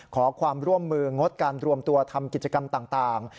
ขอความร่วมมืองดการรวมตัวทำกิจกรรมต่าง